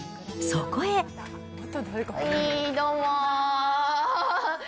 はい、どうも。